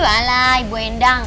alah ibu endang